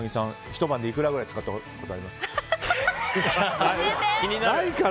ひと晩でいくらぐらい使ったことありますか？